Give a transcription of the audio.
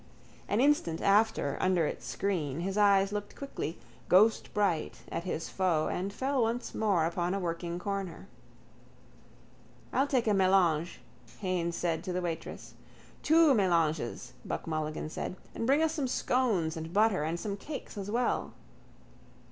An instant after, under its screen, his eyes looked quickly, ghostbright, at his foe and fell once more upon a working corner. —I'll take a mélange, Haines said to the waitress. —Two mélanges, Buck Mulligan said. And bring us some scones and butter and some cakes as well.